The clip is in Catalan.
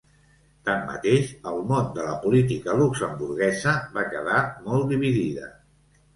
Tanmateix, el món de la política luxemburguesa va quedar molt dividida.